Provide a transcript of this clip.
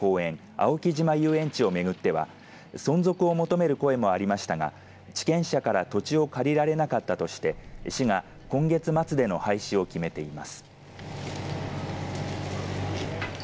青木島遊園地を巡っては存続を求める声もありましたが地権者から土地を借りられなかったとして市が今月末での廃止を決めています。